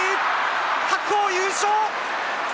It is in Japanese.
白鵬優勝！